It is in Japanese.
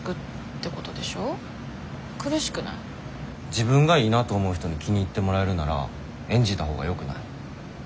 自分がいいなと思う人に気に入ってもらえるなら演じたほうがよくない？